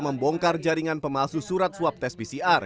membongkar jaringan pemalsu surat swab tes pcr